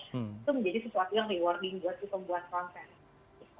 itu menjadi sesuatu yang rewarding buat si pembuat konten